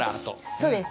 そうです。